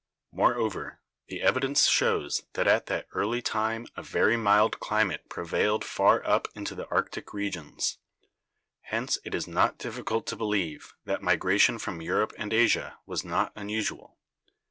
Moreover, the evidence shows that at that early time a very mild climate prevailed far up into the Arctic regions, hence it is not difficult to believe that migration from Europe and Asia was not unusual.